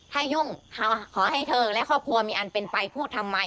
ถ้ายุ่งขอให้เธอและครอบครัวมีอันเป็นไปพูดทำไม